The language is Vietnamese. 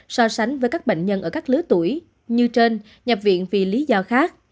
so sánh với các bệnh nhân ở các lứa tuổi như trên nhập viện vì lý do khác